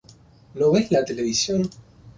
no ves la televisión